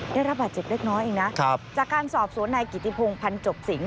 ได้ระบาดจิบเล็กน้อยเองนะจากการสอบสวนายน์กิติพงค์พันจบสิงค์